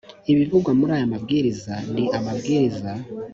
ibivugwa muri aya mabwiriza ni amabwiriza